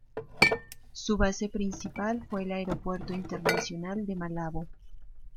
Su base principal fue el Aeropuerto Internacional de Malabo.